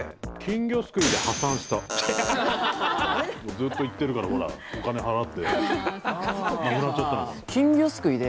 ずっと行ってるからほらお金払ってなくなっちゃったのかと。